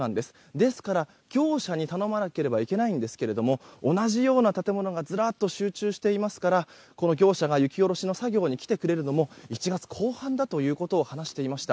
ですから、業者に頼まなければいけないんですけれども同じような建物がずらっと集中していますからこの業者が雪下ろしの作業に来てくれるのも１月後半だということを話していました。